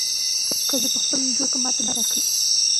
که لیبل وي نو نوم نه غلطیږي.